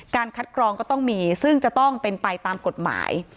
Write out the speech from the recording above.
คัดกรองก็ต้องมีซึ่งจะต้องเป็นไปตามกฎหมาย